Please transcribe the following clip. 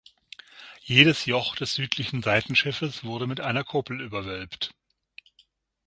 Jedes Joch des südlichen Seitenschiffes wurde mit einer Kuppel überwölbt.